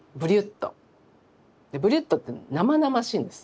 ブリュットってね生々しいんです